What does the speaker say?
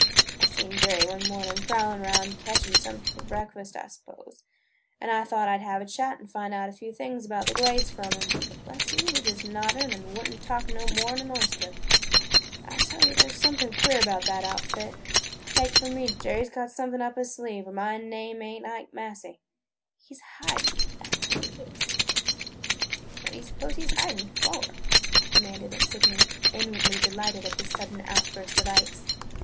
I seen Jerry one morning prowling around catchin' something for breakfast, I s'pose, an' I thought I 'd have a chat an' find out a few things about the Glades from him. But, bless you, he just nodded an' would n't talk no more 'n an oyster! I tell you, there 's something queer about the outfit! Take it from me, Jerry 's got something up his sleeve, or my name ain't Ike Massey! He 's hidin' – that 's what he is!" "But what do you suppose he 's hiding for?" demanded Sydney, inwardly delighted at this sudden outburst of Ike's.